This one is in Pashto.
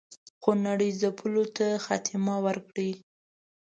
خونړي ځپلو ته خاتمه ورکړي.